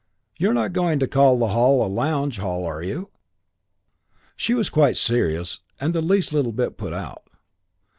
You're not going to call the hall a lounge hall, are you?" She was quite serious and the least little bit put out.